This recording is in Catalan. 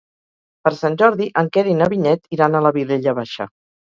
Per Sant Jordi en Quer i na Vinyet iran a la Vilella Baixa.